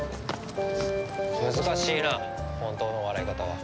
難しいな本当の笑い方は。